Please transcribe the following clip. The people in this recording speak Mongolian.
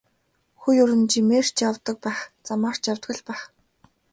Хүн ер нь жимээр ч явдаг байх, замаар ч явдаг л байх.